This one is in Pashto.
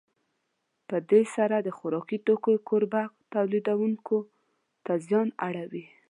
په دې سره د خوراکي توکو کوربه تولیدوونکو ته زیان اړوي.